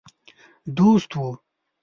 دوست وو.